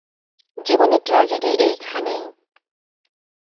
জীবনের ট্রাজেডি এইখানেই।